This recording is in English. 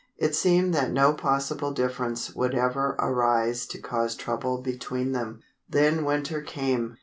It seemed that no possible difference would ever arise to cause trouble between them. Then winter came.